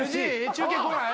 中継こない？